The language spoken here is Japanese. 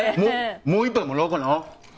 もう一杯もらおっかな。